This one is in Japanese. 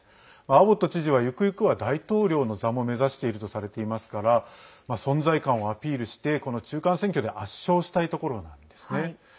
アボット知事は、ゆくゆくは大統領の座も目指しているとされていますから存在感をアピールして中間選挙で圧勝したいところなんですね。